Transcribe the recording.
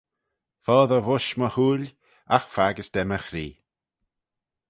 Foddey voish my hooil, agh faggys da my chree.